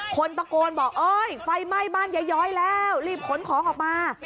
คนประโกนบอกไฟไหม้บ้านย้อยแล้วรีบขนของออกมา